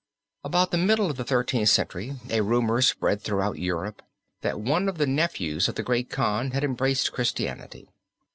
About the middle of the Thirteenth Century a rumor spread throughout Europe that one of the nephews of the great Khan had embraced Christianity.